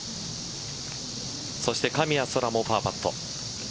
そして神谷そらもパーパット。